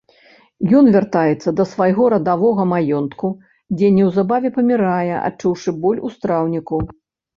Ён вяртаецца да свайго родавага маёнтку, дзе неўзабаве памірае, адчуўшы боль у страўніку.